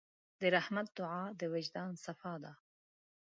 د رحمت دعا د وجدان صفا ده.